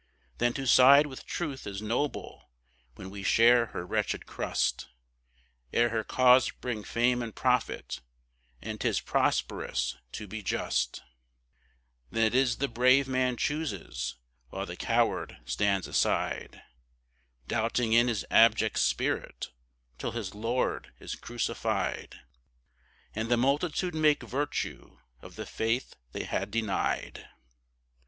Then to side with Truth is noble when we share her wretched crust, Ere her cause bring fame and profit, and 'tis prosperous to be just; Then it is the brave man chooses, while the coward stands aside, Doubting in his abject spirit, till his Lord is crucified, And the multitude make virtue of the faith they had denied.